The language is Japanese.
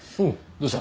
どうした？